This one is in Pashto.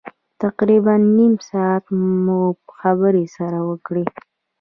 تقریبا نیم ساعت مو خبرې سره وکړې.